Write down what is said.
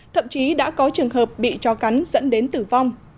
thậm chí đã có trường hợp bị chó cắn dẫn đến tử vong